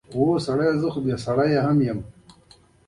ښه بسته بندي محصول ښکلی کوي.